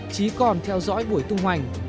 chí còn theo dõi buổi tung hoành